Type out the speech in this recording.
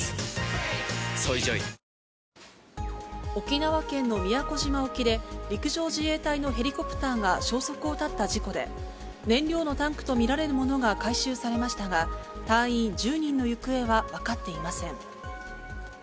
沖縄県の宮古島沖で、陸上自衛隊のヘリコプターが消息を絶った事故で、燃料のタンクと見られるものが回収されましたが、隊員１０人の行方は分かっていません。